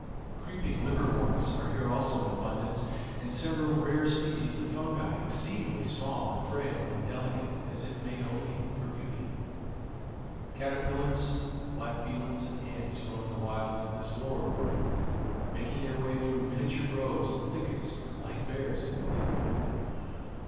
Creeping liverworts are here also in abundance, and several rare species of fungi, exceedingly small, and frail, and delicate, as if made only for beauty. Caterpillars, black beetles, and ants roam the wilds of this lower world, making their way through miniature groves and thickets like bears in a thick wood.